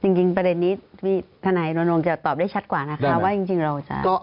จริงประเด็นนี้พี่ฐนจะตอบได้ชัดกว่าว่าจริงเราจะ